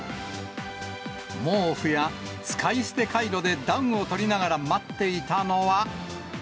毛布や使い捨てカイロで暖をとりながら待っていたのは。